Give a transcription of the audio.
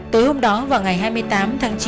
tối hôm đó vào ngày hai mươi tám tháng chín